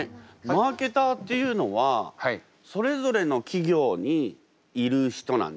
マーケターっていうのはそれぞれの企業にいる人なんですか？